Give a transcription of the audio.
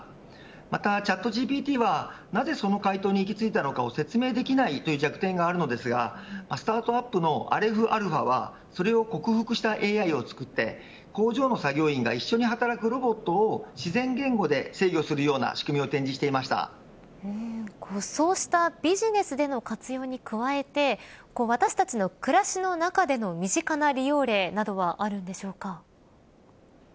またチャットＧＰＴは、なぜその回答にいき着いたのかを説明できないという弱点があるのですがスタートアップのＡｌｅｐｈＡｌｐｈａはそれを克服したＡＩを作って工場の作業員が一緒に働くロボットを自然言語で制御するようなそうしたビジネスでの活用に加えて私たちの暮らしの中での身近な利用例などはあるんでしょうか。